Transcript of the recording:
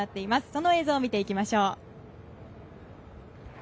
その映像を見ていきましょう。